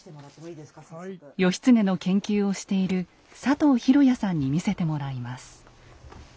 義経の研究をしている佐藤弘弥さんに見せてもらいます。